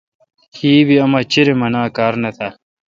کیبی اما چریم انا کار نہ تال۔